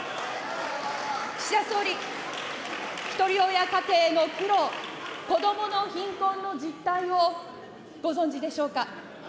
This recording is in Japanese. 岸田総理、ひとり親家庭の苦労、子どもの貧困の実態をご存じでしょうか。